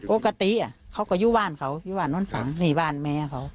ปกติเขาก็อยู่บ้านเขาอยู่บ้านโน้นสังนี่บ้านแม่เขา